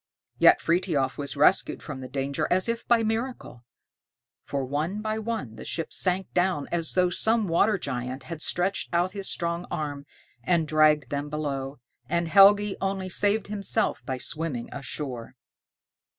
Yet Frithiof was rescued from the danger as if by miracle; for one by one the ships sank down as though some water giant had stretched out his strong arm, and dragged them below, and Helgi only saved himself by swimming ashore.